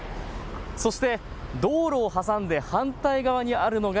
そして道路を挟んで反対側にあるのが